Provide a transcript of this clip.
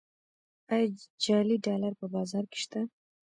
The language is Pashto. آیا جعلي ډالر په بازار کې شته؟